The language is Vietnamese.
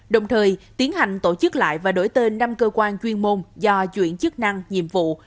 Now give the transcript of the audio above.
đồng thời tiến hành tổ chức lại và đổi tên năm cơ quan chuyên môn do chuyển chức năng nhiệm vụ